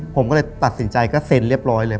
ผมก็เลยตัดสินใจก็เซ็นเรียบร้อยเลย